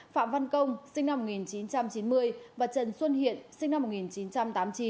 phạm văn công sinh năm một nghìn chín trăm chín mươi và trần xuân hiện sinh năm một nghìn chín trăm tám mươi chín